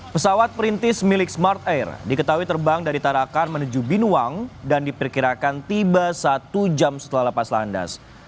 pesawat perintis milik smart air diketahui terbang dari tarakan menuju binuang dan diperkirakan tiba satu jam setelah lepas landas